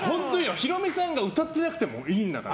ヒロミさんが歌ってなくてもいいんだから。